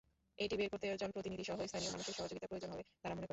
এটি বের করতে জনপ্রতিনিধিসহ স্থানীয় মানুষের সহযোগিতা প্রয়োজন হবে তাঁরা মনে করেন।